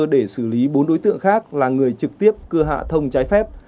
để xử lý bốn đối tượng khác là người trực tiếp cưa hạ thông trái phép